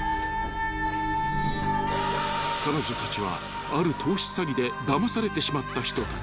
［彼女たちはある投資詐欺でだまされてしまった人たち］